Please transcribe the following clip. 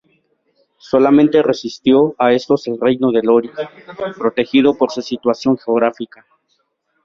Solamente resistió a estos el reino de Lori, protegido por su situación geográfica.